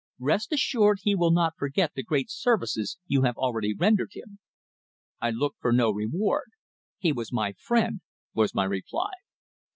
Rest assured he will not forget the great services you have already rendered him." "I look for no reward. He was my friend," was my reply.